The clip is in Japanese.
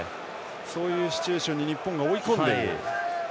そういうシチュエーションに日本が追い込んでいると。